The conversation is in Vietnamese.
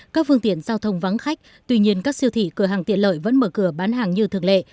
các phương tiện giao thông vắng khách tuy nhiên các siêu thị cửa hàng tiện lợi vẫn mở cửa bán hàng như thường lệ